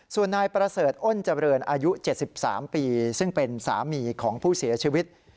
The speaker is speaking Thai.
ส่วนนายประเสริฐอ้นเจริญอายุ๗๓ปีซึ่งเป็นสามีของผู้เสียชีวิต